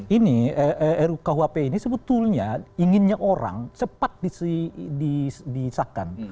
ini rukuhp ini sebetulnya inginnya orang cepat disahkan